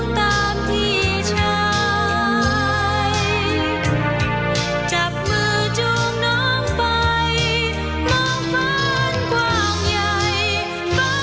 จะเอาเป็นของเรา